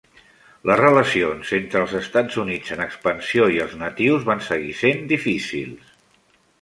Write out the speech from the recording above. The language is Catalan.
Les relacions entre els Estats Units en expansió i els natius van seguir sent difícils.